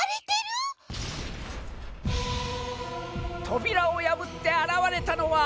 ・「とびらをやぶってあらわれたのは」。